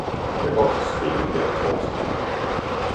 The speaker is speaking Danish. Jeg går til spinning hver torsdag.